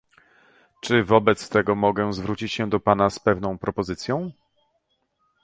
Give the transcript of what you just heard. Czy wobec tego mogę zwrócić się do pana z pewną propozycją?